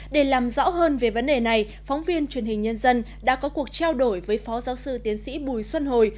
để làm rõ hơn về vấn đề này phóng viên truyền hình nhân dân đã có cuộc trao đổi với phó giáo sư tiến sĩ bùi xuân hồi